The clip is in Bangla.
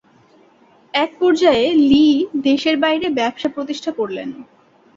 একপর্যায়ে লি দেশের বাইরে ব্যবসা প্রতিষ্ঠা করলেন।